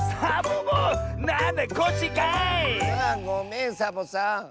あごめんサボさん。